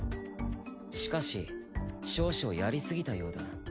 しかし少々やり過ぎたようだ。